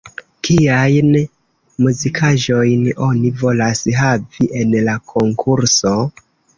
Kiajn muzikaĵojn oni volas havi en la konkurso?